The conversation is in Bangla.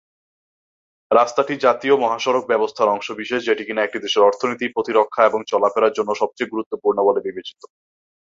রাস্তাটি জাতীয় মহাসড়ক ব্যবস্থার অংশবিশেষ, যেটি কিনা একটি দেশের অর্থনীতি, প্রতিরক্ষা এবং চলাফেরার জন্য সবচেয়ে গুরুত্বপূর্ণ বলে বিবেচিত।